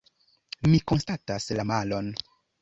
Mi konstatas la malon.